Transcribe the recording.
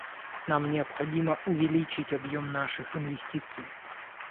Нам необходимо увеличить объем наших инвестиций.